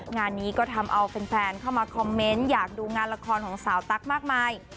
งานนี้ก็ทำเอาแฟนเข้ามาคอมเมนต์อยากดูงานละครของสาวตั๊กมากมาย